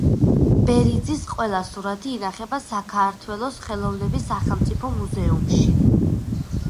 ბერიძის ყველა სურათი ინახება საქართველოს ხელოვნების სახელმწიფო მუზეუმში.